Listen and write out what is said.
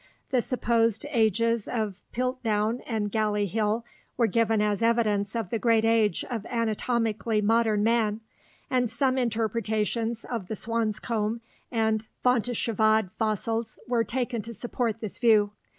The supposed ages of Piltdown and Galley Hill were given as evidence of the great age of anatomically modern man, and some interpretations of the Swanscombe and Fontéchevade fossils were taken to support this view.